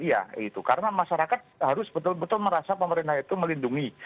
iya itu karena masyarakat harus betul betul merasa pemerintah itu melindungi